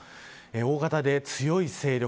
大型で強い勢力。